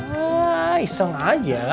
nah iseng aja